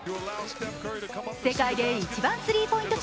世界で一番スリーポイント